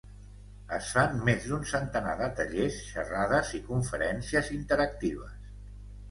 Es fan més d'un centenar de tallers, xerrades i conferències interactives.